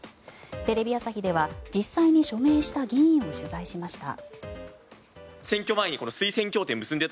テレビ朝日では実際に署名した議員を取材しました。